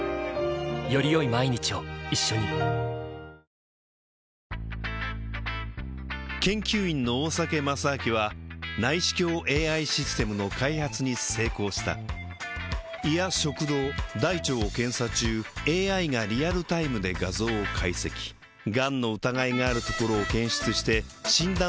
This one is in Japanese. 水の中なので研究員の大酒正明は内視鏡ＡＩシステムの開発に成功した胃や食道大腸を検査中ＡＩがリアルタイムで画像を解析がんの疑いがあるところを検出して診断をサポートする